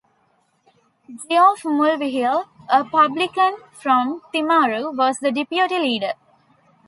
Geoff Mulvihill, a publican from Timaru, was the deputy leader.